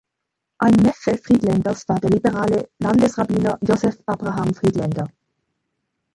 Ein Neffe Friedländers war der liberale Landesrabbiner Joseph Abraham Friedländer.